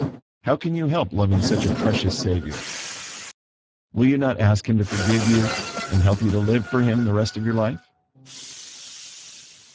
How can you help loving such a precious Savior? Will you not ask Him to forgive you and help you to live for Him the rest of your life?